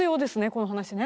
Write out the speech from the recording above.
この話ね。